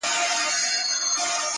د لاس په پنځو گوتو کي لا فرق سته.